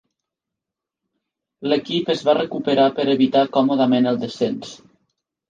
L'equip es va recuperar per evitar còmodament el descens.